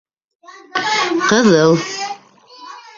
— Ҡыҙыл.